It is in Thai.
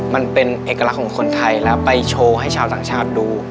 มันเป็นเอกลักษณ์ของคนไทยแล้วไปโชว์ให้ชาวต่างชาติดู